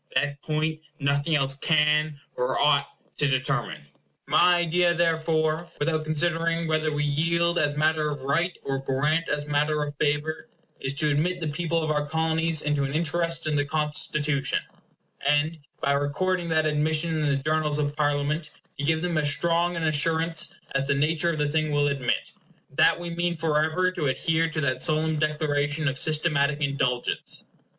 That point nothing else can or ought to determine. My idea, therefore, without considering whether we yield as matter of right, or grant as matter of favor, is to admit the people of our Colonies into an interest in the Constitution; and, by recording that admission in the journals of Parliament, to give them as strong an assurance as the nature of the thing will admit, that we mean forever to adhere to that solemn declaration of systematic indulgence.